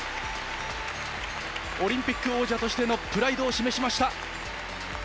オリンピック王者としてのプライドを示しました。